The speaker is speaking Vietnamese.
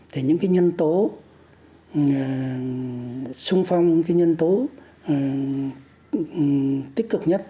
thì những cái nhân tố sung phong những cái nhân tố tích cực nhất